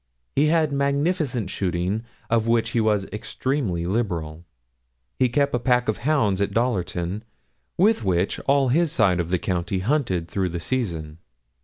He had magnificent shooting, of which he was extremely liberal. He kept a pack of hounds at Dollerton, with which all his side of the county hunted through the season.